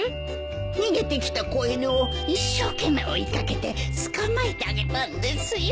逃げてきた子犬を一生懸命追い掛けて捕まえてあげたんですよ。